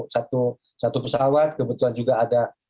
satu pesawat kebetulan juga ada